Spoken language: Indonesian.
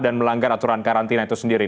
dan melanggar aturan karantina itu sendiri